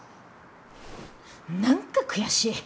何か悔しい。